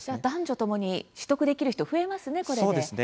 男女ともに取得できる人増えますね、これで。